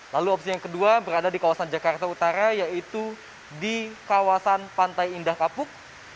lalu opsi yang kedua berada di kawasan jakarta utara yaitu di kawasan pantai indah kapuk